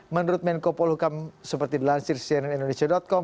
menurut menko polhukam seperti dilansir cnn indonesia com